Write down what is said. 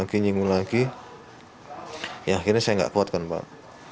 mungkin nyinggung lagi ya akhirnya saya gak kuatkan pak